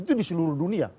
itu di seluruh dunia